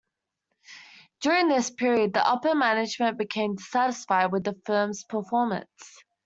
During this period, the upper management became dissatisfied with the firm's performance.